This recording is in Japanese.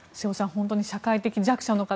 本当に社会的弱者の方